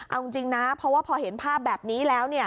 เอาจริงนะเพราะว่าพอเห็นภาพแบบนี้แล้วเนี่ย